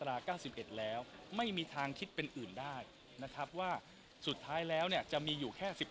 รา๙๑แล้วไม่มีทางคิดเป็นอื่นได้นะครับว่าสุดท้ายแล้วเนี่ยจะมีอยู่แค่๑๑